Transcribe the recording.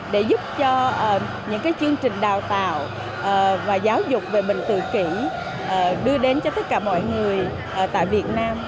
để giúp cho những chương trình đào tạo và giáo dục về bệnh tự kỷ đưa đến cho tất cả mọi người tại việt nam